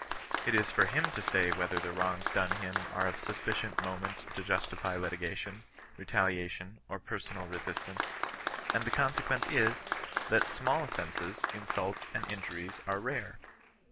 It is for him to say whether the wrongs done him are of sufficient moment to justify litigation, retalia tion, or personal resistance ; and the consequence is, that imaU offences, insults, and injuries are rare.